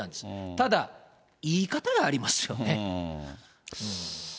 ただ言い方がありますよね。